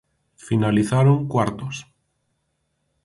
Finalizaron cuartos.